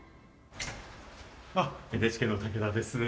ＮＨＫの武田です。